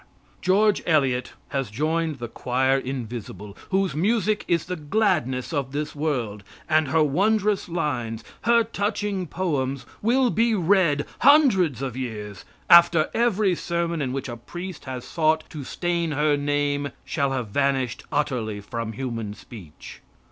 "George Eliot" has joined the choir invisible whose music is the gladness of this world, and her wondrous lines, her touching poems, will be read hundreds of years after every sermon in which a priest has sought to stain her name shall have vanished utterly from human speech.